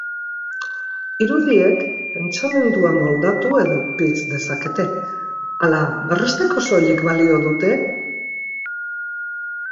Irudiek pentsamendua moldatu edo pitz dezakete ala berresteko soilik balio dute?